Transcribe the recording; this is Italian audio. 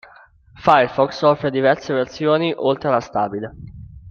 Firefox offre diverse versioni oltre alla stabile.